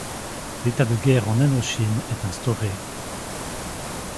L'état de guerre en Indochine est instauré.